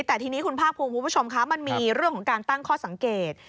แต่ทีนี้คุณภาคภูมิคุณผู้ชมคะมันมีเรื่องของการตั้งข้อสังเกต